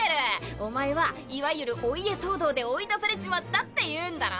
おまえはいわゆるお家騒動で追い出されちまったってゆんだろ？